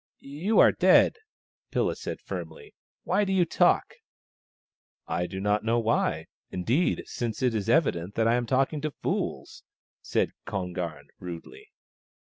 " You are dead," said Pilla firmly " Why do you talk ?"" I do not know why, indeed, since it is e\'ident that I am talking to fools," said Kon garn rudely.